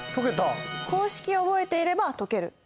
公式を覚えていれば解ける。